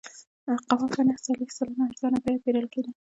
قهوه په نهه څلوېښت سلنه ارزانه بیه پېرل کېده.